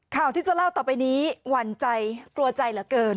ข่าวที่จะเล่าต่อไปนี้หวั่นใจกลัวใจเหลือเกิน